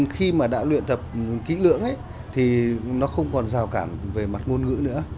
khi mà đã luyện tập kỹ lưỡng ấy thì nó không còn rào cản về mặt ngôn ngữ nữa